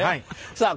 さあ